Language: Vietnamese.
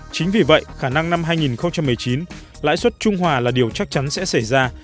chính vì vậy khả năng năm hai nghìn một mươi chín lãi suất trung hòa là điều chắc chắn sẽ xảy ra